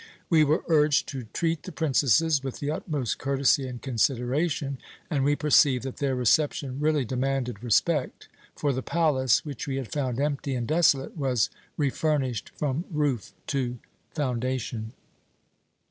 We were urged to treat the princesses with the utmost courtesy and consideration, and we perceived that their reception really demanded respect; for the palace, which we had found empty and desolate, was refurnished from roof to foundation.